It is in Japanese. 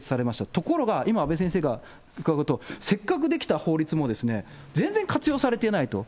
ところが、今、阿部先生から伺うと、せっかく出来た法律も、全然活用されていないと。